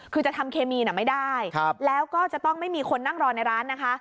คือจะทำเคมีไม่ได้แล้วก็จะต้องไม่มีคนนั่งรอในร้านนะคะ